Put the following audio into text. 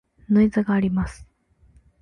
ノイズがあります。